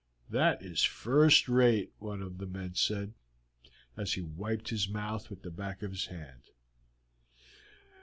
"That is first rate," one of the men said, as he wiped his mouth with the back of his hand.